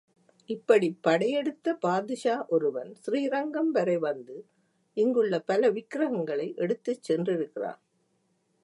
இப்படிப் படையெடுத்த பாதுஷா ஒருவன், ஸ்ரீ ரங்கம் வரை வந்து இங்குள்ள பல விக்கிரகங்களை எடுத்துச் சென்றிருக்கிறான்.